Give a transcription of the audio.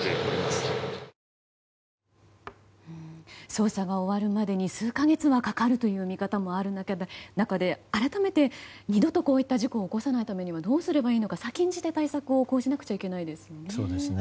捜査が終わるまでに数か月はかかるという見方もある中で改めて二度とこういった事故を起こさないためには何が必要か先んじて対策を講じなくちゃいけないですね。